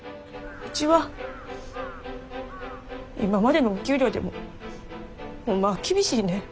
ウチは今までのお給料でもホンマは厳しいねん。